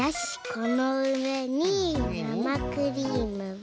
このうえになまクリームは。